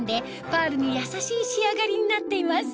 パールに優しい仕上がりになっています